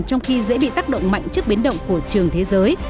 trong khi dễ bị tác động mạnh trước biến động của trường thế giới